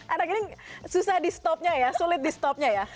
anak ini susah di stop nya ya sulit di stop nya ya